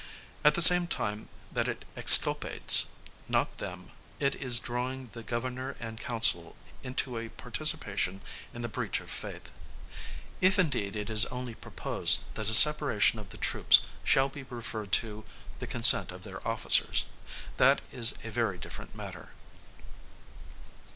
At the same time that it exculpates not them, it is drawing the Governor and Council into a participation in the breach of faith. If indeed it is only proposed, that a separation of the troops shall be referred to the consent of their officers; that is a very different matter.